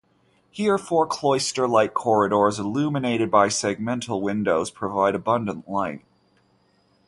Here, four cloister-like corridors illuminated by segmental windows provide abundant light.